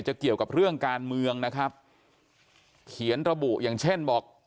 เกี่ยวกับเรื่องการเมืองนะครับเขียนระบุอย่างเช่นบอก